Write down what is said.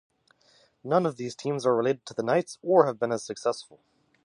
None of these teams are related to the Knights or have been as successful.